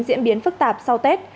diễn biến phức tạp sau tết